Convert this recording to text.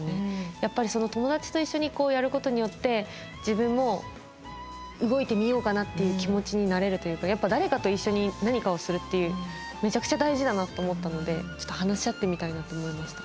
やっぱり友達と一緒にこうやることによって自分も動いてみようかなっていう気持ちになれるというかやっぱ誰かと一緒に何かをするってめちゃくちゃ大事だなと思ったのでちょっと話し合ってみたいなと思いました。